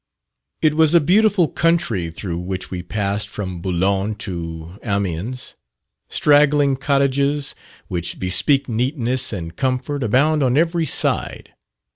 It was a beautiful country through which we passed from Boulogne to Amiens. Straggling cottages which bespeak neatness and comfort abound on every side.